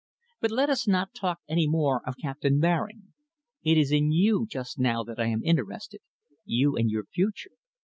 But let us not talk any more of Captain Baring. It is in you just now that I am interested, you and your future.